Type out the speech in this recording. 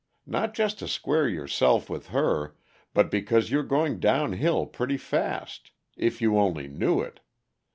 Not just to square yourself with her, but because you're going downhill pretty fast, if you only knew it.